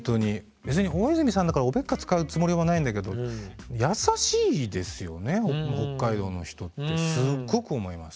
別に大泉さんだからおべっか使うつもりもないんだけど優しいですよね北海道の人ってすごく思います。